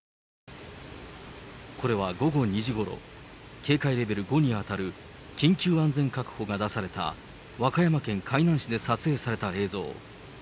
これは午後２時ごろ、警戒レベル５に当たる緊急安全確保が出された、和歌山県海南市で撮影された映像。